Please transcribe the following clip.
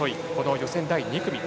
予選第２組。